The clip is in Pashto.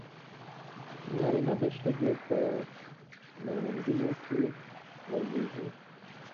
چې نارینه د ښځې په مړوندونو کې ولویږي.